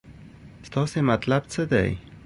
ستاسې مطلب څه دی.